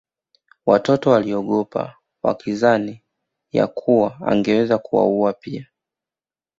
Watoto waliogopa wakidhani ya kuwa angeweza kuwaua pia